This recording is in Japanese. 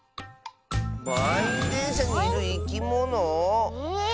まんいんでんしゃにいるいきもの？え？